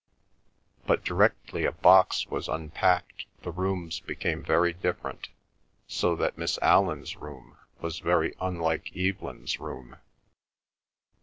But directly a box was unpacked the rooms became very different, so that Miss Allan's room was very unlike Evelyn's room.